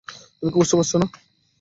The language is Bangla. তুমি বুঝতে পারছো না?